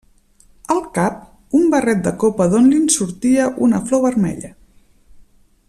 Al cap, un barret de copa d'on li'n sortia una flor vermella.